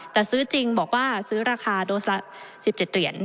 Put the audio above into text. แต่ซื้อจริงบอกว่าซื้อราคาโดส๑๗เหรียญ